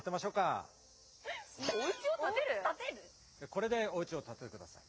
これでお家を建ててください。